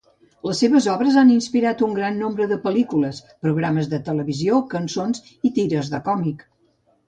Les seves obres han inspirat un gran nombre de pel·lícules, programes de televisió, cançons i tires de còmic.